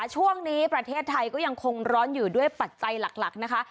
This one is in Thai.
ช่วงนี้ประเทศไทยก็ยังคงร้อนอยู่ด้วยปัจจัยหลักนะคะ